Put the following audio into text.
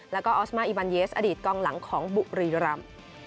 แล้วก็ออสมาอีบันเยสอดีตกองหลังของบุรีรำ